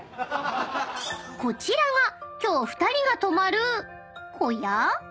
［こちらが今日２人が泊まる小屋？］